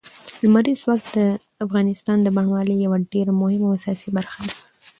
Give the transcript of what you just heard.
لمریز ځواک د افغانستان د بڼوالۍ یوه ډېره مهمه او اساسي برخه ده.